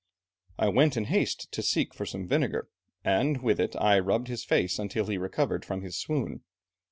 I went in haste to seek for some vinegar, and with it I rubbed his face until he recovered from his swoon.